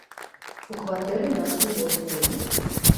У кватэры нас было двое.